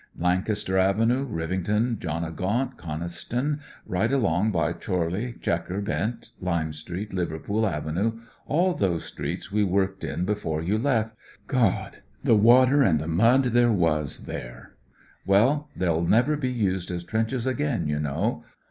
Lancaster Avenue, Rivington, John o' Gaunt, Coniston, right along to Chorley, Chequer Bent, Lime Street, Liverpool Avenue, all those streets we worked in before you left— God, the water and the mud there was there— well, they'll never be used as trenches again, you know.